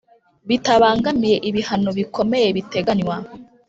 Bitabangamiye ibihano bikomeye biteganywa